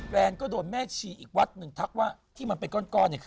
แกนก็โดนแม่ชีอีกวัดมาก